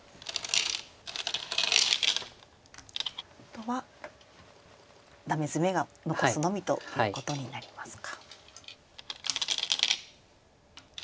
あとはダメヅメが残すのみということになりますか。